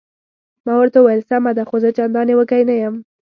ما ورته وویل: سمه ده، خو زه چندانې وږی نه یم.